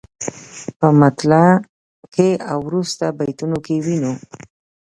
په مطلع کې او وروسته بیتونو کې وینو.